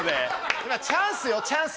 今チャンスよチャンス。